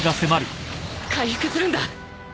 回復するんだ！